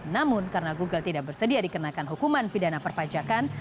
namun karena google tidak bersedia dikenakan hukuman pidana perpajakan